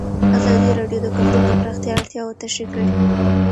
ازادي راډیو د کلتور د پراختیا اړتیاوې تشریح کړي.